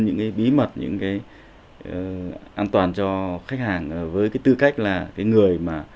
những cái bí mật những cái an toàn cho khách hàng với cái tư cách là cái người mà